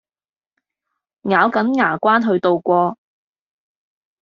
咬緊牙關去渡過